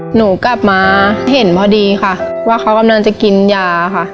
หนูกลับมาเห็นพอดีค่ะว่าเขากำลังจะกินยาค่ะ